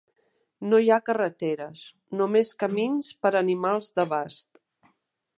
No hi ha carreteres, només camins per a animals de bast.